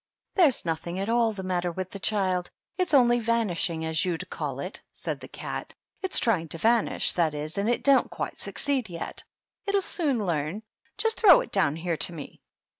"There's nothing at all the matter with the THE DUCHESS AND HER HOUSE. 39 child ; it's only just vanishing, as you'd call it," said the cat. " It's trying to vanish, that is, and it don't quite succeed yet. It'll soon learn. Just throw it down here to me."